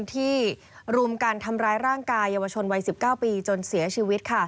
ที่รุมกันทำร้ายร่างกายเยาวชนวัย๑๙ปีจนเสียชีวิต